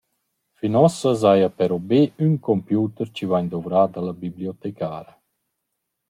Fin uossa s’haja però be ün computer chi vain dovrà da la bibliotecara.